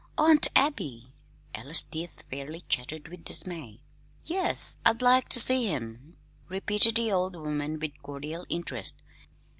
"Aunt Abby!" Ella's teeth fairly chattered with dismay. "Yes, I'd like ter see him," repeated the old woman with cordial interest.